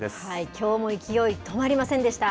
きょうも勢い止まりませんでした。